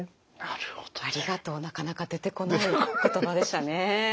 「ありがとう」なかなか出てこない言葉でしたね。